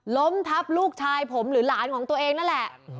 ล้มทับลูกชายผมหรือหลานของตัวเองนั่นแหละ